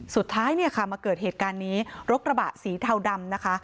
สุดท้ายเนี่ยค่ะมาเกิดเหตุการณ์นี้รถกระบะสีเทาดำนะคะ